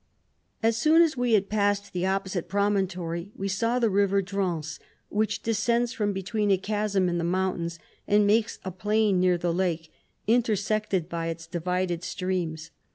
As soon as we had passed the op posite promontory, we saw the river Drance, which descends from between a chasm in the mountains, and makes a plain near the lake, intersected by its divided streams.